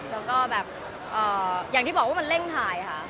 แล้วก็แบบอย่างที่บอกว่ามันเร่งถ่ายค่ะ